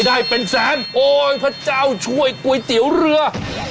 ได้เป็นแสนโอนพระเจ้าช่วยก๋วยเตี๋ยวเรือ